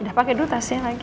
udah pake dulu tasnya lagi